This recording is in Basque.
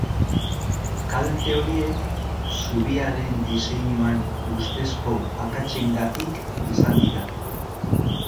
Kalte horiek zubiaren diseinuan ustezko akatsengatik izan dira.